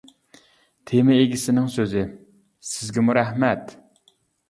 تېما ئىگىسىنىڭ سۆزى : سىزگىمۇ رەھمەت!